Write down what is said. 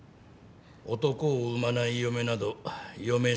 男を産まない嫁など嫁失格だ。